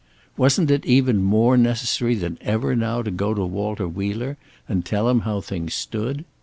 Wasn't it even more necessary than ever now to go to Walter Wheeler and tell him how things stood?